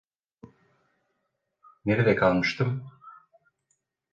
Nerede kalmıştım?